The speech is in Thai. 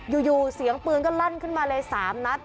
อยู่เสียงปืนก็ลั่นขึ้นมาเลย๓นัด